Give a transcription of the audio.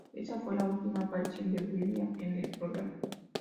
Esa fue la última aparición de Williams en el programa.